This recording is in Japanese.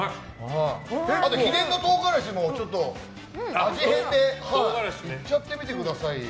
あと、秘伝の唐辛子も味変でいっちゃってみてくださいよ。